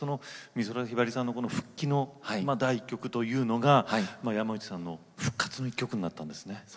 美空ひばりさんの復帰の第１曲というのが山内さんの復活の１曲になったんですね。